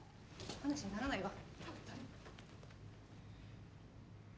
話にならないわ。